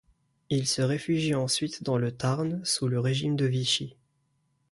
Il se réfugie ensuite dans le Tarn, sous le régime de Vichy.